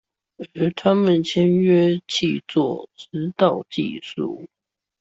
而他們簽約契作，指導技術